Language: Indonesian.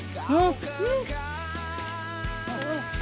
aw sama senior yang teh